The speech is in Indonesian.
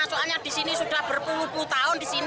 soalnya di sini sudah berpuluh puluh tahun di sini